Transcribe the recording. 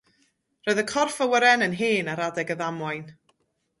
Roedd y corff awyren yn hen ar adeg y ddamwain.